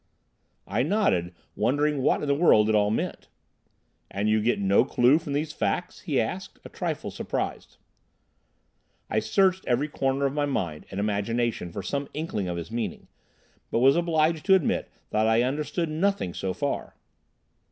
I nodded, wondering what in the world it all meant. "And you get no clue from these facts?" he asked, a trifle surprised. I searched every corner of my mind and imagination for some inkling of his meaning, but was obliged to admit that I understood nothing so far.